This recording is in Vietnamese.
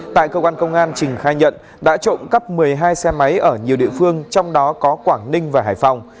tại cơ quan công an trình khai nhận đã trộm cắp một mươi hai xe máy ở nhiều địa phương trong đó có quảng ninh và hải phòng